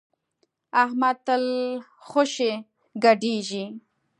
احمد تل خوشی ګډېږي.